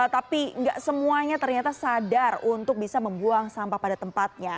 tapi nggak semuanya ternyata sadar untuk bisa membuang sampah pada tempatnya